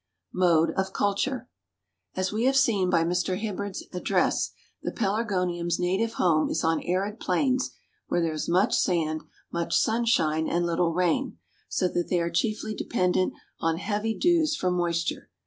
MODE OF CULTURE. As we have seen by Mr. Hibberd's address, the Pelargonium's native home is on arid plains where there is much sand, much sunshine and little rain, so that they are chiefly dependent on heavy dews for moisture.